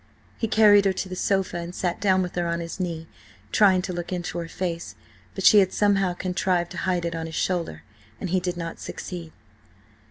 He carried her to the sofa and sat down with her on his knee, trying to look into her face. But she had somehow contrived to hide it on his shoulder, and he did not succeed.